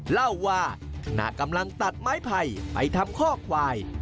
เล่าว่าหนักกำลังตัดไม้ไภไปทำคอกฟาย